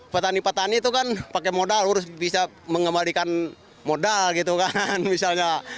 petani petani itu kan pakai modal harus bisa mengembalikan modal gitu kan misalnya